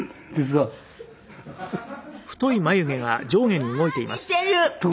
はい。